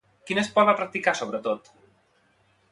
Quin esport va practicar sobretot?